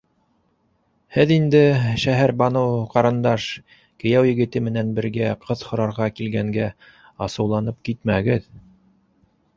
Һеҙ инде, Шәһәрбаныу ҡарындаш, кейәү егете менән бергә ҡыҙ һорарға килгәнгә асыуланып китмәгеҙ.